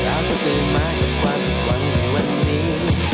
แล้วถ้าเกิดมากับความผิดหวังในวันนี้